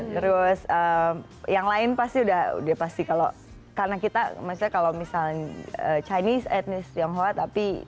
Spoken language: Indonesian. terus yang lain pasti udah pasti kalau karena kita maksudnya kalau misalnya chinese etnis tionghoa tapi